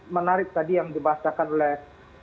menarik tadi yang dibahasakan oleh